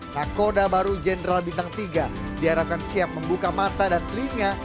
nakoda baru jenderal bintang tiga diharapkan siap membuka mata dan telinga